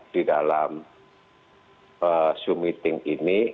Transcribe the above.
di dalam zoom meeting ini